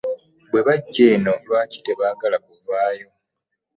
Bwe bajja eno lwaki tebaagala kuvaayo?